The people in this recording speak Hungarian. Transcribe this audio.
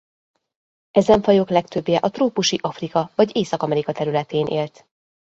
Ezen fajok legtöbbje a trópusi Afrika vagy Észak-Amerika területén élt.